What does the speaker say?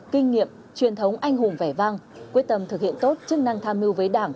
kinh nghiệm truyền thống anh hùng vẻ vang quyết tâm thực hiện tốt chức năng tham mưu với đảng